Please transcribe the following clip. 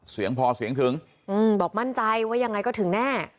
เสียงพอเสียงถึงบอกมั่นใจว่ายังไงก็ถึงแน่